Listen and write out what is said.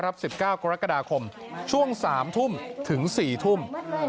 รับสิบเก้ากรกฎาคมช่วงสามทุ่มถึงสี่ทุ่ม